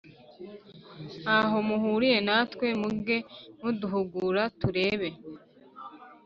nta ho muhuriye natwe. muge muduhugura turebe